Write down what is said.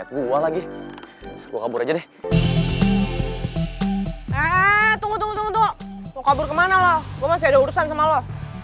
gue masih ada urusan sama lo